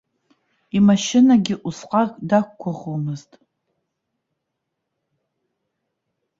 Имашьынагьы усҟак дақәгәыӷуамызт.